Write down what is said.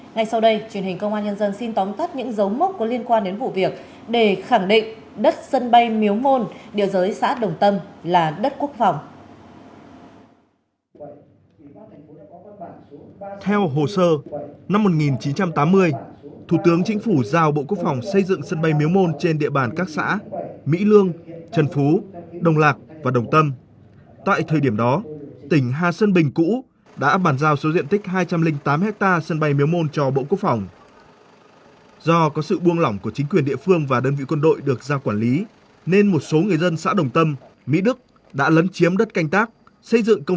ngay sau đây truyền hình công an nhân dân xin tóm tắt những dấu mốc có liên quan đến vụ việc để khẳng định đất sân bay miếu môn